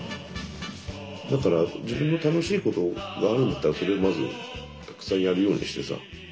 だから自分の楽しいことがあるんだったらそれをまずたくさんやるようにしてさ。